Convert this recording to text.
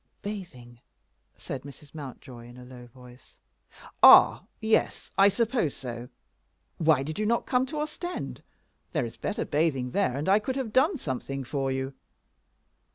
"Bathing," said Mrs. Mountjoy, in a low voice. "Ah, yes; I suppose so. Why did you not come to Ostend? There is better bathing there, and I could have done something for you.